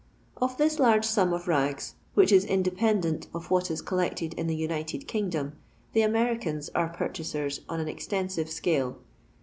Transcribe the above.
Of this large sum of rags, which is independent of what is collected in the United Kingdom, ths Americans are purchasers on an extensive scale.